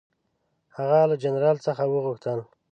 هغه له جنرال څخه وغوښتل.